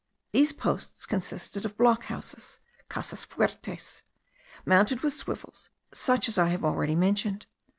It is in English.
These posts consisted of block houses (casas fuertes), mounted with swivels, such as I have already mentioned.